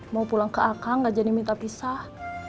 mau pulang ke akang gak jadi minta pisah